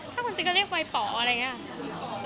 ถ้าคนจีนก็เรียกไวป่ออะไรงี้